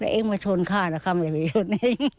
แล้วเองมาชนข้านะข้าไม่ได้ไปชนเอง